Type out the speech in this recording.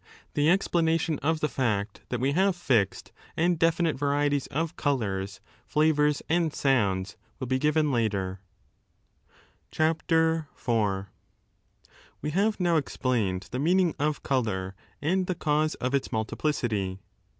The explanation of the fact that we have fixed and definite varieties of colours, flavours, and sounds will be given later.^ 1 Gf . De senau, 4456 3 ff. ; 446a 20. CHAPTEE IV. We have now explained the meaning of colour and the cause of its multiplicity.